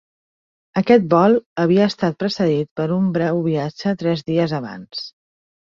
Aquest vol havia estat precedit per un breu viatge tres dies abans.